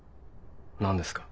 何ですか？